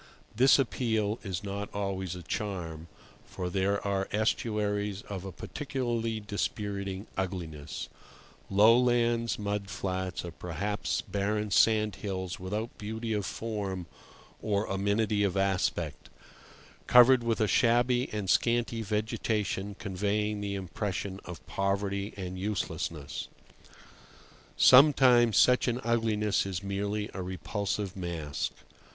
This appeal is not always a charm, for there are estuaries of a particularly dispiriting ugliness: lowlands, mud flats, or perhaps barren sandhills without beauty of form or amenity of aspect, covered with a shabby and scanty vegetation conveying the impression of poverty and uselessness. Sometimes such an ugliness is merely a repulsive mask.